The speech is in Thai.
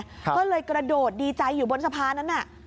ก็เลยกระโดดดีใจอยู่บนสะพานนั้นน่ะ